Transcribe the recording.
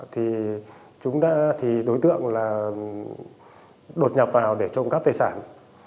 thì đối tượng đột nhập vào để trộm cắp tài sản